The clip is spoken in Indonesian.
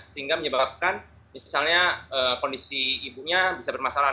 sehingga menyebabkan misalnya kondisi ibunya bisa bermasalah